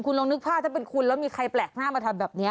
คุณลองนึกภาพถ้าเป็นคุณแล้วมีใครแปลกหน้ามาทำแบบนี้